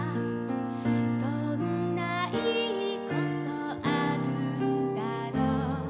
「どんないいことあるんだろう」